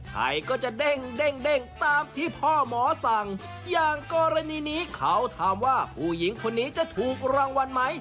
ใครก็จะเด้งตามที่พ่อหมอสั่งอย่างกรณีนี้เขาถามว่าผู้หญิงคนนี้จะถูกรางวัลไหม